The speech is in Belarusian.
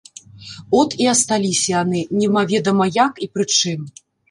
От і асталіся яны, немаведама як і пры чым.